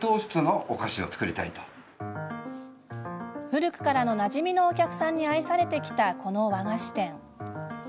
古くからのなじみのお客さんに愛されてきた、この和菓子店。